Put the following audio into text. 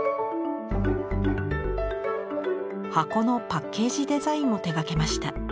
箱のパッケージデザインも手がけました。